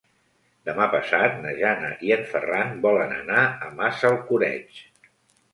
Demà passat na Jana i en Ferran volen anar a Massalcoreig.